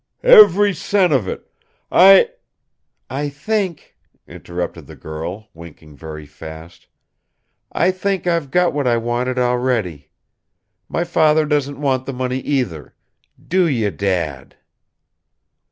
"Ev'ry cent of it. I " "I think," interrupted the girl, winking very fast. "I think I've got what I wanted, already. My father doesn't want the money either. Do you, Dad?"